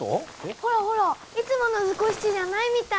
ほらほらいつもの図工室じゃないみたい！